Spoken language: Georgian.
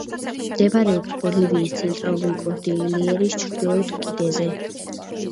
მდებარეობს ბოლივიის ცენტრალური კორდილიერის ჩრდილოეთ კიდეზე.